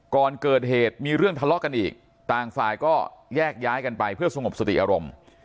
ก่อนเกิดเหตุมีเรื่องทะเลาะกันอีกต่างฝ่ายก็แยกย้ายกันไปเพื่อสงบสติอารมณ์